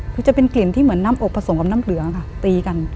คือจะเป็นกลิ่นที่เหมือนน้ำอบผสมกับน้ำเหลืองค่ะตีกัน